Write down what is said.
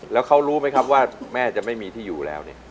แล้วเขารู้ไหมครับว่าแม่จะไม่มีที่อยู่แล้วเนี่ย